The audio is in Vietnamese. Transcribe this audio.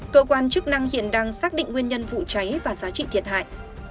cơ quan chức năng hiện đang xác định nguyên nhân vụ cháy và giá trị thiệt hại